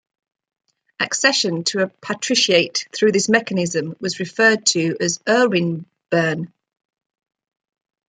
Accession to a patriciate through this mechanism was referred to as erweibern.